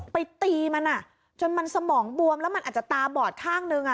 ไปตีมันจนมันสมองบวมแล้วมันอาจจะตาบอดข้างนึง